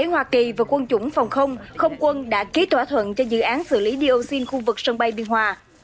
hoa kỳ và quân chủng phòng không không quân đã ký thỏa thuận cho dự án xử lý dioxin khu vực sân bay biên hòa